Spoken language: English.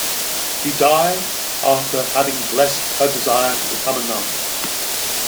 He died after having blessed her desire to become a nun.